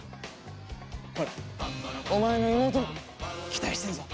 ほらお前の妹も期待してるぞ！